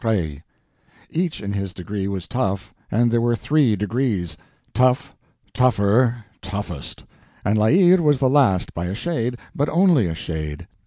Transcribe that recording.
Each in his degree was tough, and there were three degrees—tough, tougher, toughest—and La Hire was the last by a shade, but only a shade.